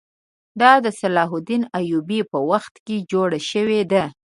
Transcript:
دا د صلاح الدین ایوبي په وخت کې جوړه شوې ده.